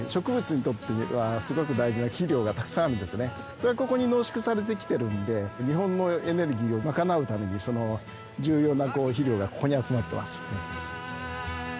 それがここに濃縮されてきてるんで日本のエネルギーをまかなうために重要な肥料がここに集まってます。